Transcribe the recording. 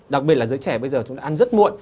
đặc biệt là giới trẻ bây giờ chúng ta ăn rất muộn